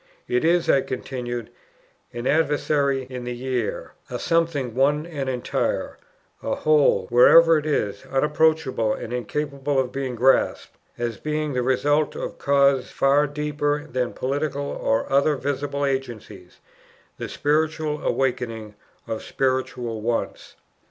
It is," I continued, "an adversary in the air, a something one and entire, a whole wherever it is, unapproachable and incapable of being grasped, as being the result of causes far deeper than political or other visible agencies, the spiritual awakening of spiritual wants."